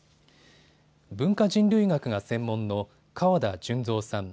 文化人類学が専門の川田順造さん。